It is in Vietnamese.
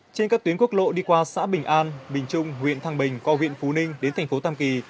trên các tuyến quốc lộ đi qua xã bình an bình trung huyện thăng bình qua huyện phú ninh đến thành phố tam kỳ